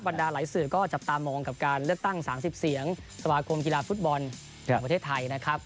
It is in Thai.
ดาหลายสื่อก็จับตามองกับการเลือกตั้ง๓๐เสียงสมาคมกีฬาฟุตบอลแห่งประเทศไทยนะครับ